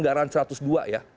dari seratus dua ya